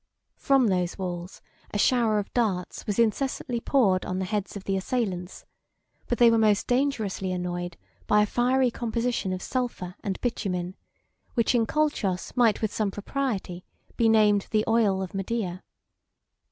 From those walls, a shower of darts was incessantly poured on the heads of the assailants; but they were most dangerously annoyed by a fiery composition of sulphur and bitumen, which in Colchos might with some propriety be named the oil of Medea.